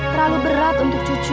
terlalu berat untuk cucu